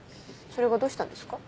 それがどうしたんですか？